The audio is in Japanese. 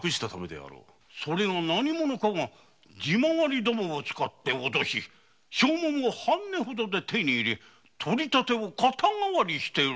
それが何者かが地回りどもを使って脅し証文を半値ほどで手に入れ取り立てを肩代わりしているらしいのです。